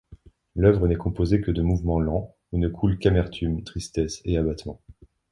L'œuvre n'est composée que de mouvements lents, où ne coulent qu'amertume, tristesse et abattement.